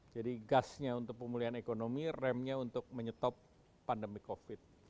jadi gasnya untuk pemulihan ekonomi remnya untuk menyetop pandemi covid